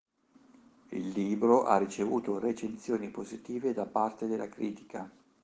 Il libro ha ricevuto recensioni positive da parte della critica.